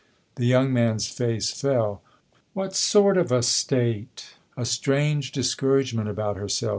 The young man's face fell. "What sort of a state?" " A strange discouragement about herself.